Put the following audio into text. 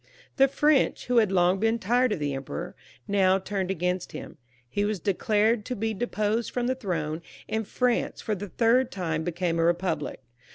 The French, who had long been tired of the Emperor, now turned against him. He was declared to be deposed from the throne, and France for the third time became a republic.